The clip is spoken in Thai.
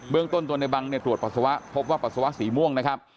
เรื่องต้นตัวในบังตรวจปัสสาวะพบว่าปัสสาวะสีม่วงนะครับ